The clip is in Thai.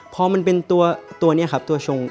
พอมันเป็นตัวนี้ครับตัวชง